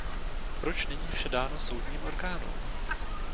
Proč není vše dáno soudním orgánům?